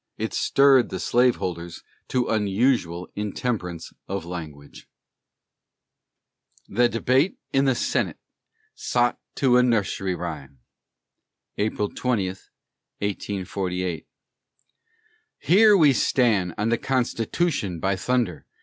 It stirred the slaveholders to unusual intemperance of language. THE DEBATE IN THE SENNIT SOT TO A NUSRY RHYME [April 20, 1848] "Here we stan' on the Constitution, by thunder!